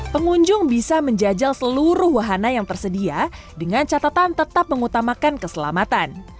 pengunjung bisa menjajal seluruh wahana yang tersedia dengan catatan tetap mengutamakan keselamatan